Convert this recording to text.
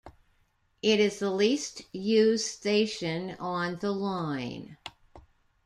It is the least used station on the line.